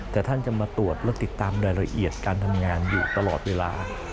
แต่ท่านจะมาตรวจและติดตามรายละเอียดการทำงานอยู่ตลอดเวลา